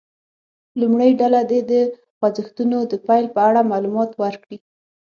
لومړۍ ډله دې د خوځښتونو د پیل په اړه معلومات ورکړي.